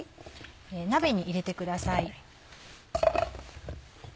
鍋に入れてください。